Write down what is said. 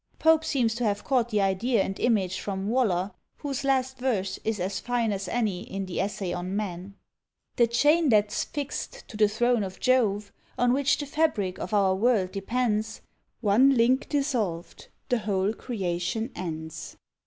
Pope seems to have caught the idea and image from Waller, whose last verse is as fine as any in the "Essay on Man:" The chain that's fixed to the throne of Jove, On which the fabric of our world depends, One link dissolv'd, the whole creation ends.